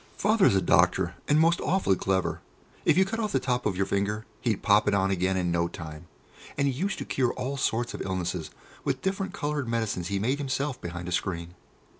Father is a doctor, and most awfully clever. If you cut off the top of your finger, he'd pop it on again in no time, and he used to cure all sorts of illnesses with different coloured medicines he made himself behind a screen.